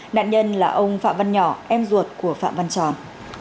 nạn nhân là ông phạm văn nhỏ em ruột của phạm văn tròn